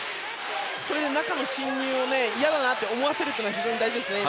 それで中の進入に、嫌だなと思わせることが非常に大事ですね。